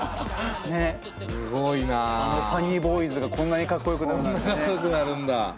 あのファニーボーイズがこんなにかっこよくなるなんてね。